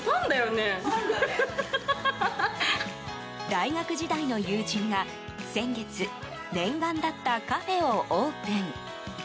大学時代の友人が先月念願だったカフェをオープン。